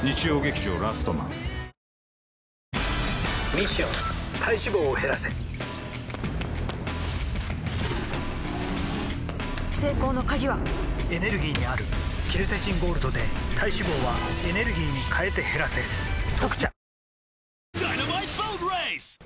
ミッション体脂肪を減らせ成功の鍵はエネルギーにあるケルセチンゴールドで体脂肪はエネルギーに変えて減らせ「特茶」